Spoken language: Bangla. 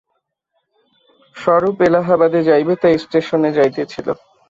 স্বরূপ এলাবাহাদে যাইবে, তাই স্টেশনে যাইতেছিল।